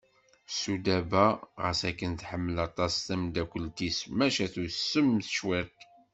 Sudaba ɣas akken tḥemmel aṭas tameddakelt-is maca tusem cwiṭ.